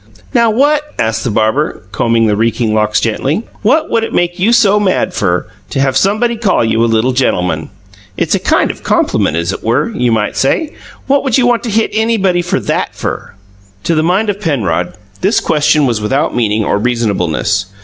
"Now what," asked the barber, combing the reeking locks gently, "what would it make you so mad fer, to have somebody call you a little gentleman? It's a kind of compliment, as it were, you might say. What would you want to hit anybody fer THAT fer?" To the mind of Penrod, this question was without meaning or reasonableness.